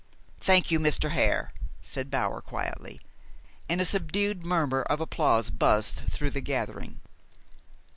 "Thank you, Mr. Hare," said Bower quietly, and a subdued murmur of applause buzzed through the gathering.